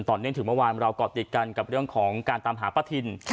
เนื่องถึงเมื่อวานเราก่อติดกันกับเรื่องของการตามหาป้าทิน